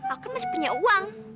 aku masih punya uang